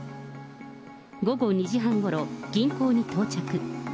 午後２時半ごろ、銀行に到着。